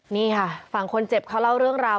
นี่ค่ะฝั่งคนเจ็บเขาเล่าเรื่องราว